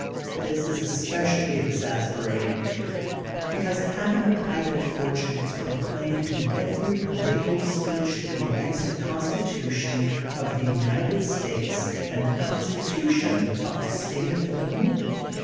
This is especially exasperating because having a private fortune is proclaimed in every political speech to be against the Con stitution of the United States and the Consti tution of the State of Illinois.